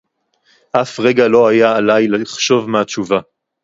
אף רגע לא היה עליי לחשוב מה התשובה